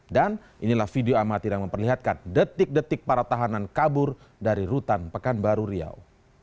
dan inilah video amatir yang memperlihatkan detik detik para tahanan kabur dari rutan pekanbaru riau